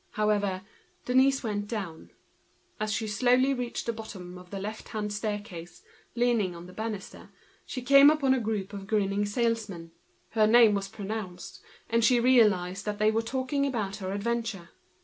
However, Denise went downstairs. As she arrived at the bottom of the left hand staircase, slowly, supporting herself by the banister, she came upon a group of grinning salesmen. Her name was pronounced, and she felt that they were talking about her adventure.